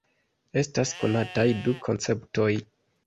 Estas konataj du konceptoj.